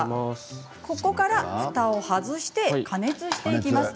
ここから、ふたを外して加熱していきます。